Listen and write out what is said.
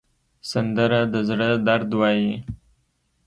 سندره د زړه درد وایي